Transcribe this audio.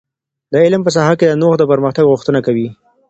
د علم په ساحه کي نوښت د پرمختګ غوښتنه کوي.